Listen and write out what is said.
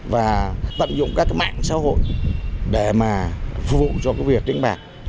và tận dụng các mạng xã hội để mà phục vụ cho việc đánh bạc